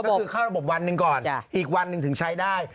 ก็คือเข้าระบบวันหนึ่งก่อนอีกวันหนึ่งถึงใช้ได้